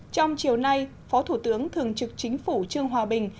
trong chiều nay phó thủ tướng thường trực chính phủ trương hòa bình